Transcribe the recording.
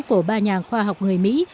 của ba nhà khoa học người mỹ